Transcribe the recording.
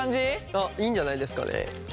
あっいいんじゃないですかね。